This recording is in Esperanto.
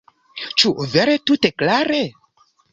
Ĉu vere tute klare?